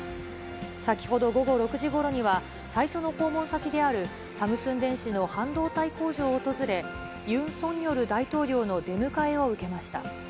先ほど午後６時ごろには、最初の訪問先である、サムスン電子の半導体工場を訪れ、ユン・ソンニョル大統領の出迎えを受けました。